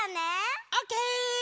オッケー！